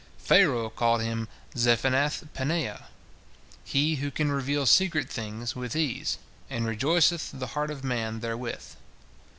Pharaoh called him Zaphenath paneah, he who can reveal secret things with ease, and rejoiceth the heart of man therewith.